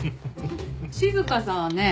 静さんはね